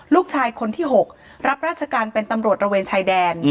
ลูกชายคนที่๖รับราชการเป็นตำรวจระเวนชายแดน